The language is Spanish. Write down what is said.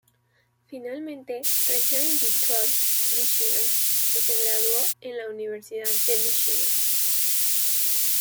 Finalmente creció en Detroit, Míchigan y se graduó en la Universidad de Míchigan.